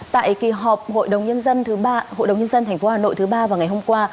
tại kỳ họp hội đồng nhân dân thành phố hà nội thứ ba vào ngày hôm qua